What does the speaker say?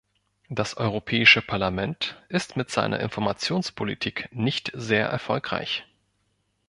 Das Europäische Parlament ist mit seiner Informationspolitik nicht sehr erfolgreich.